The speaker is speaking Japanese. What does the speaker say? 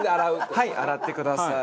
はい洗ってください。